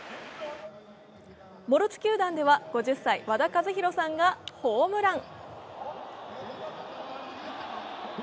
モルツ球団では５０歳・和田一浩さんがホームラン。